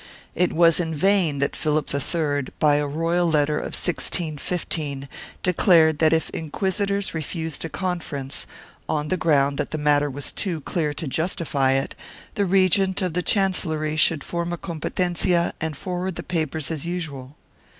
It was in vain that Philip III, by a royal letter of 1615, declared that if inquisitors refused a conference, on the ground that the matter was too clear to justify it, the regent of the chancellery should form a competencia and forward the papers as usual.